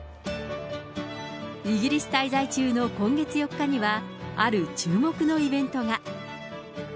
イギリス滞在中の今月４日にはある注目のイベントが。